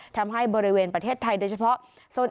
ทำให้บริเวณประเทศไทยโดยเฉพาะโดยเฉพาะโดยเฉพาะ